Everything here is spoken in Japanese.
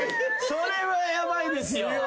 それはヤバいですよ。